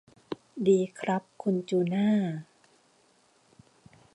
ดีครับคุณจูน่า